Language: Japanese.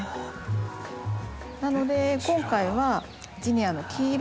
なので今回はジニアの黄色。